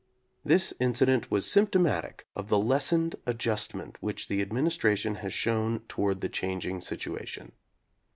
This incident was symptomatic of the lessened adjustment which the Administration has shown toward the changing situation.